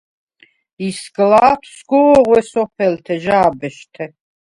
ისგლა̄თვ სგო̄ღვე სოფელთე, ჟა̄ბეშთე.